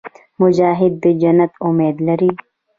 مجاهد د جنت امید لري.